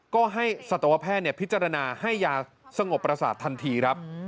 ก็ให้สัตวแพทย์พิจารณาให้ยาสงบประสาททันทีครับ